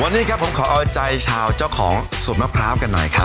วันนี้ครับผมขอเอาใจชาวเจ้าของสวนมะพร้าวกันหน่อยครับ